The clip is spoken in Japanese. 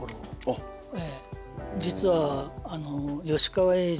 実は。